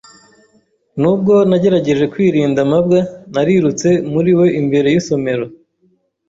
Nubwo nagerageje kwirinda mabwa, narirutse muri we imbere y'isomero.